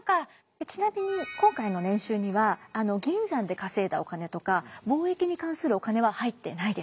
ちなみに今回の年収には銀山で稼いだお金とか貿易に関するお金は入ってないです。